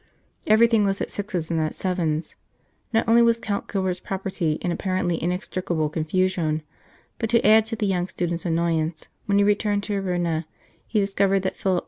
Everything was at sixes and at sevens. Not only was Count Gilbert s property in apparently inextricable confusion ; but to add to the young student s annoyance, when he returned to Arona he discovered that Philip II.